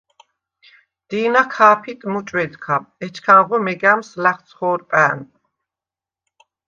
დი̄ნა ქა̄ფიტ მუჭვედქა, ეჩქანღო მეგა̈მს ლა̈ხცხო̄რპა̈ნ.